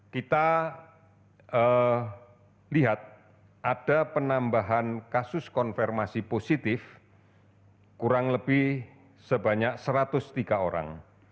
kita lihat ada penambahan kasus konfirmasi positif kurang lebih sebanyak satu ratus tiga orang